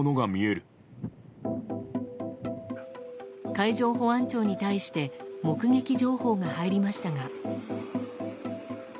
海上保安庁に対して目撃情報が入りましたが。